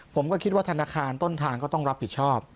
ผมก็คิดว่าธนาคารต้นทางก็ต้องรับผิดชอบ